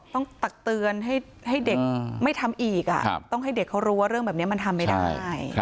ตักเตือนให้เด็กไม่ทำอีกต้องให้เด็กเขารู้ว่าเรื่องแบบนี้มันทำไม่ได้